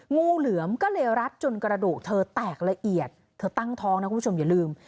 งูเหลือมก็เลยรัดจนกระดูกเธอแตกละเอียดเธอตั้งท้องนะคุณผู้ชมอย่าลืม